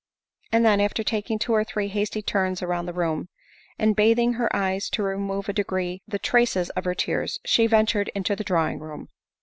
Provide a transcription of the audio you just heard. And then, after taking two or three hasty turns round the room, and bathing her eyes to re move in a degree the traces of her tears, she ventured into the drawing room.